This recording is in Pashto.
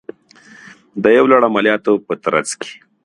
د یو لړ عملیاتو په ترڅ کې